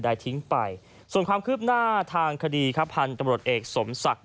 ทิ้งไปส่วนความคืบหน้าทางคดีครับพันธุ์ตำรวจเอกสมศักดิ์